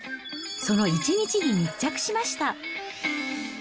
その一日に密着しました。